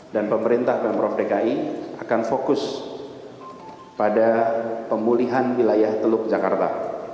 dan pemerintah dan prof dki akan fokus pada pemulihan wilayah teluk jakarta